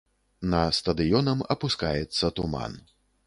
На стадыёнам апускаецца туман.